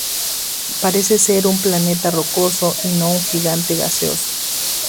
Parece ser un planeta rocoso y no un gigante gaseoso.